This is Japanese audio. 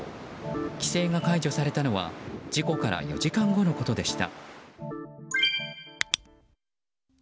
規制が解除されたのは事故から４時間後のことでした。